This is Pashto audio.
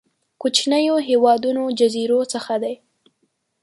کوچنيو هېوادونو جزيرو څخه دي.